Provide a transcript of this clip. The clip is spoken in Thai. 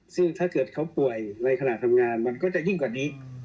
ซึ่งถ้าเกิดเขาป่วยในขณะทำงานมันก็จะยิ่งกว่านี้